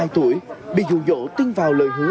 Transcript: hai mươi hai tuổi bị rụ rỗ tin vào lời hứa